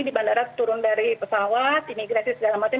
di bandara turun dari pesawat imigrasi segala macam